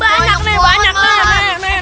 banyak banyak nih